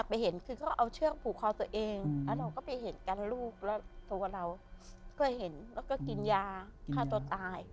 ไปเห็นคือเขาเอาเชือกผูกคอตัวเองแล้วเราก็ไปเห็นกันลูกแล้วตัวเราก็เห็นแล้วก็กินยาฆ่าตัวตาย